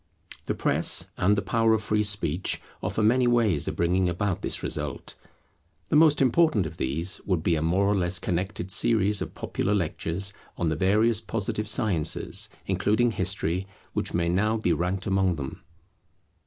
The press and the power of free speech offer many ways of bringing about this result. The most important of these would be a more or less connected series of popular lectures on the various positive sciences, including history, which may now be ranked among them.